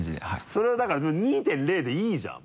それはだから２．０でいいじゃん。